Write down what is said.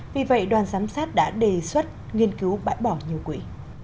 vì vậy đoàn giám sát đã đề xuất nghiên cứu bãi bỏ nhiều quỹ